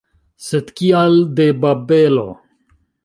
Sed, kial de Babelo?